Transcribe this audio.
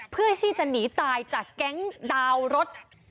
เพื่อที่จะหนีตายจากแก๊งดาวรถ